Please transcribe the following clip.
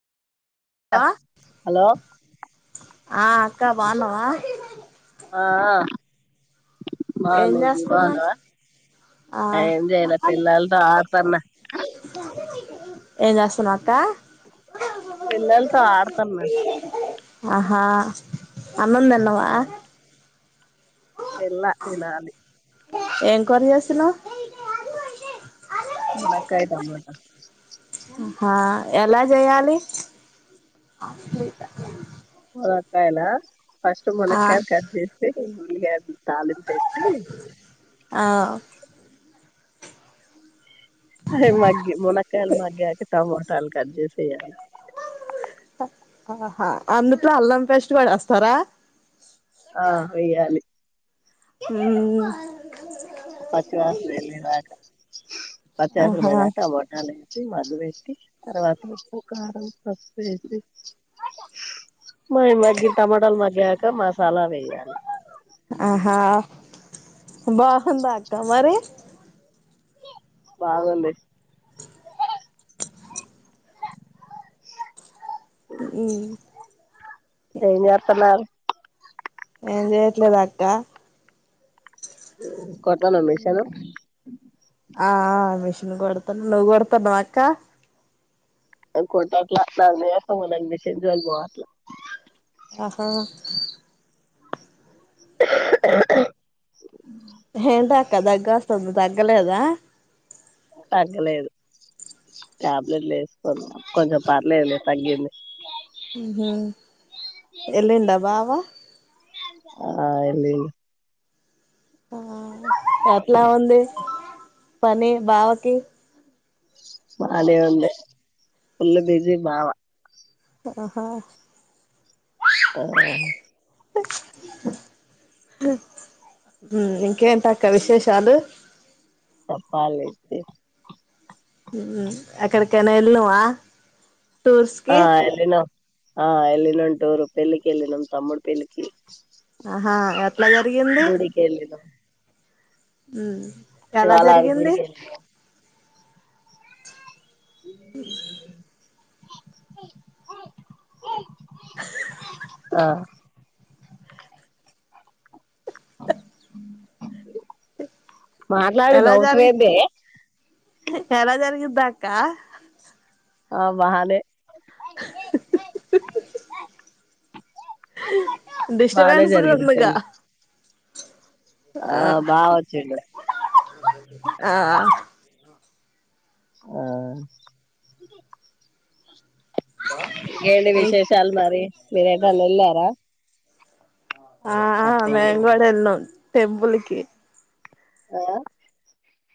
hello hello ఆ అక్క బాఉన్నావా ఆ ఏం బాగున్నా ఇజీ చేస్తన్నా బాగున్నావా ఆ ఏం చేయలే పిల్లలతో ఆడుతున్నా ఏం చేస్తున్నా అక్క పిల్లలు త ఆడ్తాన్నా ఆహా అన్నం దిన్నావా ఎలా తినాలి ఏం కూర జేసినవ్ మునకాయ టమాట ఆ ఎలా చేయాలి వంకాయలా ఫస్ట్ ఆ మునక్కాయల్ కట్ చేసి ఉల్లి తాలింపేసి ఆ అయి మగ్గి మునక్కయల్ మగ్గాక టమ ల్ కట్ జేసి ఎయ్యాలి ఆహా అందుట్లో అల్లం పేస్ట్ గూడేస్తారా ఆ వేయాలి ఉ పచ్చవాసనెల్లేదాక పచ్చాసన ఆహా పోయినాక టమాటాల మగ్గబెట్టి తర్వాత ఉప్పు కారం పసుపేసి మ మగ్గి టమాటాలు మగ్గాక మసాలా వేయాలి బాందాక్క మరి బాగుంది [inaudible] ఉమ్ ఏం జేస్తన్నారు ఏం జేయట్లేద అట్ట కొటనమిషను నువ కొడతాను నువ్ కొడతనవ్ అక్క అ కోటాట్లా నస మ విషయంజ అనుభవట్లా ఆహ [inaudible] హేంటక్క దగ్గస్త దగ్గలేదా తగ్గలేదు టాబ్లెట్లు యేసుకోని కొంచెం పర్లేదు తగ్గింది ఉహు ఎల్లిండా బావ ఆ ఎల్లి ఆ ఎట్లా ఉంది పని బావకి బానే ఉంది ఫుల్ బీజీ బావ ఆహా ఆ ఇంకేంటక్క విశేషాలు చెప్పాలి అక్కడ కెనైలుమా ఆ ఎళ్లినం ఆ ఎలి న ఉంటూరు పళ్లికి ఎలి నం తమ్డు పళ్లికి ఆహా ఎట్లా జరిగింది గుడికి వెళ్ళినాం హ్మ్ శివాల అది గుడిక ఉ ఆ మాట్లాడు ఎలా నవుతువ జరిగి అదే ఎలా జరిగద్దా అక్క ఆ మహనే బానే డిస్టబన్స్ జరిగింది కొందగా పెళ్ళి ఆ బావ వచ్చిండు ఆ ఆ ఏ విశేష అల్మరి మీిరేటాల ఎళార ఆ మేంగోడ ఎల టెంపుల్కి ఆ